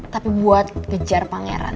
tapi buat kejar pangeran